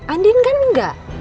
andin kan enggak